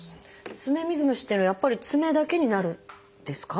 爪水虫っていうのはやっぱり爪だけになるんですか？